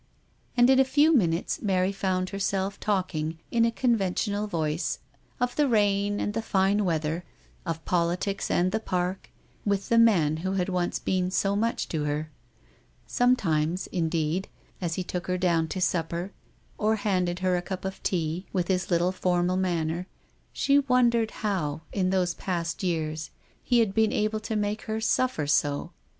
And in a few minutes Mary found herself talking, in a conventional voice, of the rain and fine weather, of politics and the Park, with the man who had once been so much to her. 290 THE STORY OF A MODERN WOMAN. Sometimes, indeed, as lie took her down to supper, or handed her a cup of tea, with his little formal manner, she wondered how, in those past years, he had been able to make her suffer so.